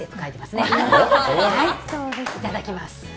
いただきます。